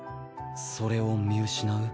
それを見失う？